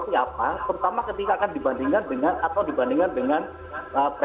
yang lalu itu